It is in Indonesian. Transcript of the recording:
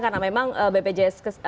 karena memang bpjs